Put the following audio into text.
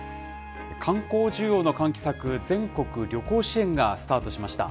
観光需要の喚起策、全国旅行支援がスタートしました。